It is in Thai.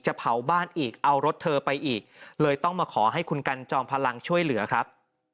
เผาบ้านอีกเอารถเธอไปอีกเลยต้องมาขอให้คุณกันจอมพลังช่วยเหลือครับ